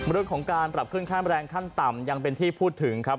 เรื่องของการปรับขึ้นค่าแรงขั้นต่ำยังเป็นที่พูดถึงครับ